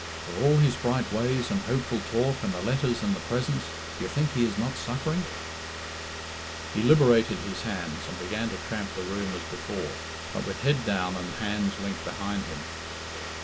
For all his bright ways and hopeful talk and the letters and the presents, do you think he is not suffering?" He liberated his hands, and began to tramp the room as before, but with head down dud hands linked behind him.